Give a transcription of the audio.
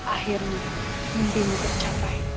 akhirnya mimpi mencapai